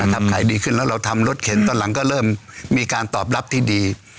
ขายดีขึ้นแล้วเราทำรถเข็นตอนหลังก็เริ่มมีการตอบรับที่ดี